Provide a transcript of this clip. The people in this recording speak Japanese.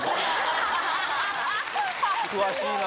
詳しいな。